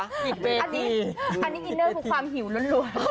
อันนี้อินเนอร์ก็ความหิวร้อน